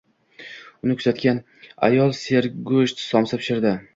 Uni kuzatgan ayol sergoʻsht somsa pishirdi.